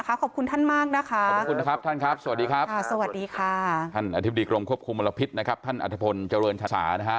ครับขออนุญาตสอบถามกันเฉพาะท่านอธิบดีเท่านี้ก่อนนะคะขอบคุณท่านมากนะคะ